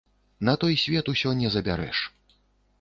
На той свет усё не забярэш.